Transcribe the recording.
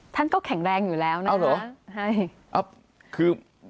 ท่านก็แข็งแรงอยู่แล้วนะเอาเหรอ